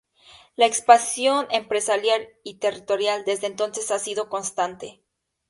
La expansión empresarial y territorial desde entonces ha sido constante.